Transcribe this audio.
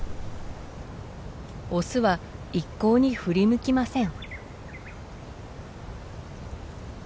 オスは一向に振り向きません。